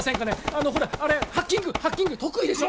あのほらあれハッキングハッキング得意でしょ？